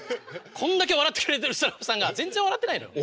こんだけ笑ってくれてるスタッフさんが全然笑ってないのよ。